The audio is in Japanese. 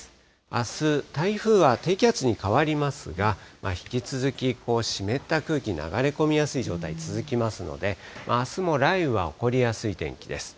あす、台風は低気圧に変わりますが、引き続き湿った空気、流れ込みやすい状態続きますので、あすも雷雨は起こりやすい天気です。